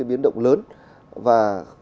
biến động lớn và